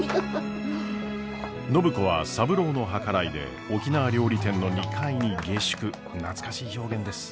暢子は三郎の計らいで沖縄料理店の２階に下宿懐かしい表現です。